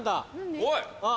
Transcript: おい！